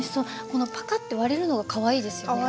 このパカッて割れるのがかわいいですよね。